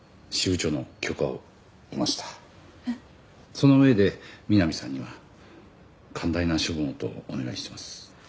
その上でみなみさんには寛大な処分をとお願いしてます。